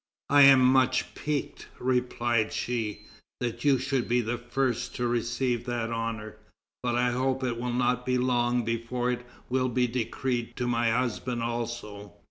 "I am much piqued," replied she, "that you should be the first to receive that honor, but I hope it will not be long before it will be decreed to my husband also."